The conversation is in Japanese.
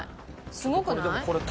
すごくない？